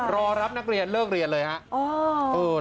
รอรับนักเรียนเลิกเรียนเลยครับ